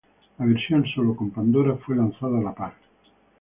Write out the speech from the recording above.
La versión solo con Pandora fue lanzada a la par.